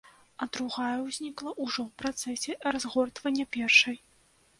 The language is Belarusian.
А другая ўзнікла ўжо ў працэсе разгортвання першай.